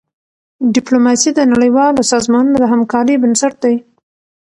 ډيپلوماسي د نړیوالو سازمانونو د همکارۍ بنسټ دی.